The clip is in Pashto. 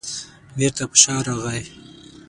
بېرته په شا راغی.